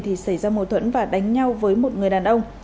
thì xảy ra mâu thuẫn và đánh nhau với một người đàn ông